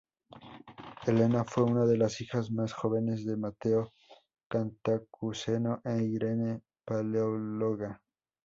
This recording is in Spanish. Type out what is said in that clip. Helena fue una de las hijas más jóvenes de Mateo Cantacuceno e Irene Paleóloga.